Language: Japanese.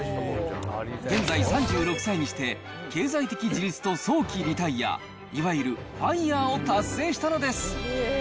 現在３６歳にして、経済的自立と早期リタイア、いわゆるファイアーを達成したのです